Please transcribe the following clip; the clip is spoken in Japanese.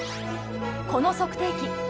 この測定器